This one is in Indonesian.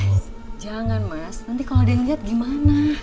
guys jangan mas nanti kalau ada yang liat gimana